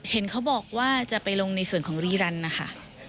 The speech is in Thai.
เห็นเขาบอกว่าจะไปลงในส่วนของรีรันนะคะ